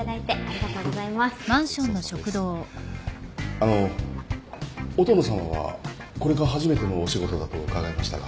あの音野さんはこれが初めてのお仕事だと伺いましたが。